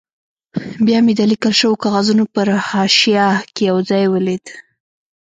بیا مې د لیکل شوو کاغذونو په حاشیه کې یو ځای ولید.